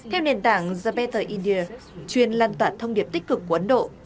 trong nền tảng zapata india truyền lan toàn thông điệp tích cực của ấn độ